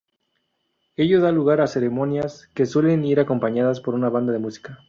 Ello da lugar a ceremonias que suelen ir acompañadas por una banda de música.